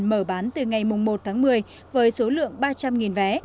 mở bán từ ngày một tháng một mươi với số lượng ba trăm linh vé